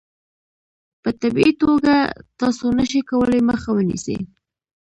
په طبیعي توګه تاسو نشئ کولای مخه ونیسئ.